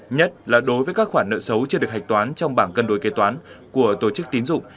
nhất là đối với các khoản nợ xấu chưa được hạch toán trong bảng cân đối kế toán của tổ chức tín dụng